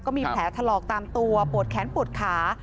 ก็มีแผลถลอกตามตัวปวดแขนปวดขา